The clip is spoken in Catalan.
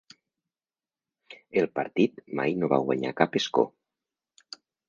El partit mai no va guanyar cap escó.